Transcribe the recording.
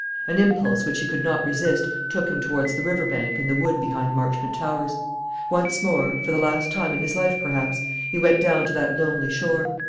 An impulse which he could not resist took him towards the river bank and the wood behind Marchmont Towers. Once more, for the last time in his life perhaps, he went down to that lonely shore.